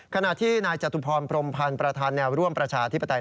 ขณะที่นายจตุพรพรมพันธ์ประธานแนวร่วมประชาธิปไตย